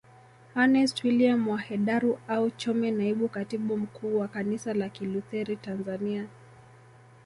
Ernest William wa Hedaru au Chome Naibu Katibu Mkuu wa kanisa la kilutheri Tanzania